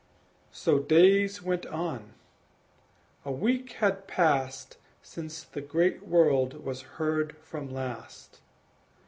So days went on: a week had passed Since the great world was heard from last.